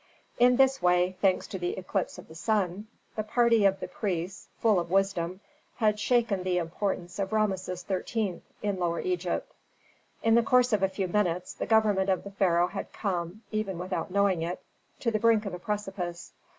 In this way, thanks to the eclipse of the sun, the party of the priests, full of wisdom, had shaken the importance of Rameses XIII. in Lower Egypt. In the course of a few minutes the government of the pharaoh had come, even without knowing it, to the brink of a precipice.